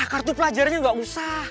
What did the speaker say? kartu pelajarnya nggak usah